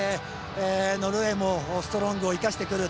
ノルウェーもストロングを生かしてくる。